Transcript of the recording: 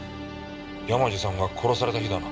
山路さんが殺された日だな。